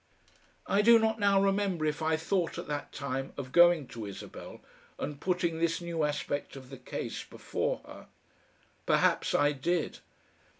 I do not now remember if I thought at that time of going to Isabel and putting this new aspect of the case before her. Perhaps I did.